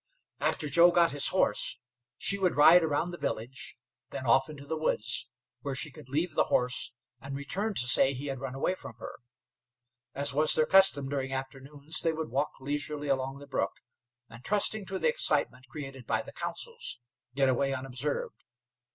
After Joe got his horse, she would ride around the village, then off into the woods, where she could leave the horse and return to say he had run away from her. As was their custom during afternoons, they would walk leisurely along the brook, and, trusting to the excitement created by the councils, get away unobserved.